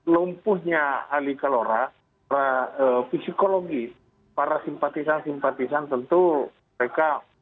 lompuhnya ali kalora fisikologi para simpatisan simpatisan tentu mereka